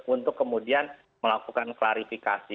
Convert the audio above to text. untuk kemudian melakukan klarifikasi